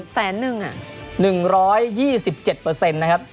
๑๒๗เปอร์เซ็นต์นะครับ